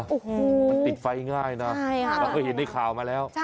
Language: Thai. โอ้โหมันติดไฟง่ายนะเราเคยเห็นในข่าวมาแล้ว